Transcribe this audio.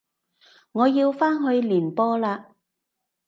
我要返去練波喇